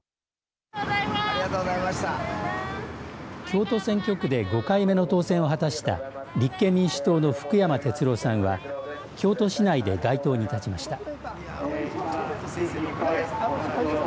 京都選挙区で５回目の当選を果たした立憲民主党の福山哲郎さんは京都市内で街頭に立ちました。